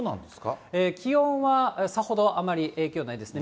気温はさほどあまり影響ないですね。